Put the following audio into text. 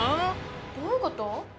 どういうこと？